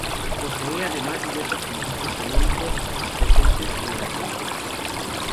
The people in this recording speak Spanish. Posee, además, diversos compuestos fenólicos presentes en las verduras.